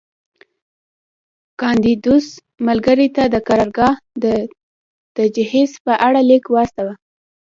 کاندیدوس ملګري ته د قرارګاه د تجهیز په اړه لیک واستاوه